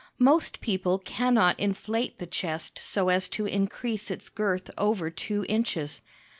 Most people can not inflate the chest so as to increase its girth over two inches.